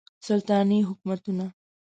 سلطنتي حکومتونه